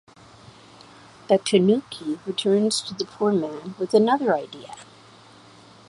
The "tanuki" returns to the poor man with another idea.